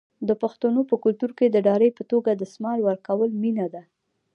د پښتنو په کلتور کې د ډالۍ په توګه دستمال ورکول مینه ده.